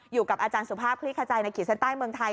อยู่กับอาจารย์สุภาพคลิกขจายในขีดเส้นใต้เมืองไทย